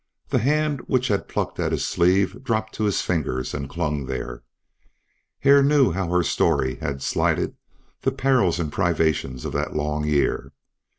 The hand which had plucked at his sleeve dropped to his fingers and clung there. Hare knew how her story had slighted the perils and privations of that long year.